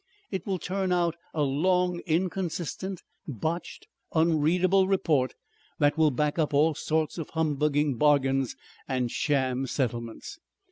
It will turn out a long, inconsistent, botched, unreadable report that will back up all sorts of humbugging bargains and sham settlements.